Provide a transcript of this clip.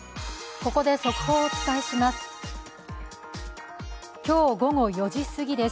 ここで速報をお伝えします。